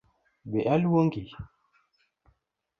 Be aluongi?